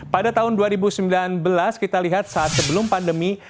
pada tahun dua ribu sembilan belas kita lihat saat sebelum pandemi